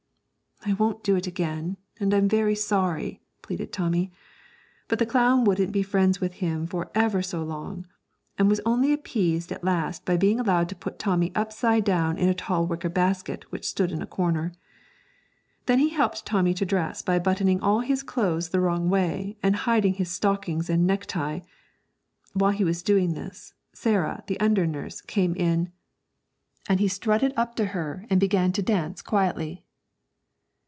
'I won't do it again, and I'm very sorry,' pleaded Tommy; but the clown wouldn't be friends with him for ever so long, and was only appeased at last by being allowed to put Tommy upside down in a tall wicker basket which stood in a corner. Then he helped Tommy to dress by buttoning all his clothes the wrong way, and hiding his stockings and necktie. While he was doing this, Sarah, the under nurse, came in, and he strutted up to her and began to dance quietly.